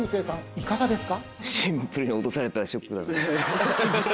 いかがですか？